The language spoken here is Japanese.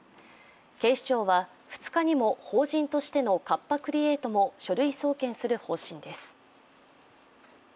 警視庁は２日にも法人としてのカッパ・クリエイトも書類送検する方針です。